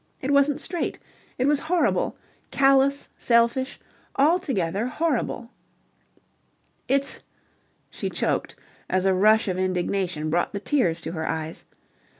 It wasn't straight. It was horrible. Callous, selfish, altogether horrible... "It's..." She choked, as a rush of indignation brought the tears to her eyes.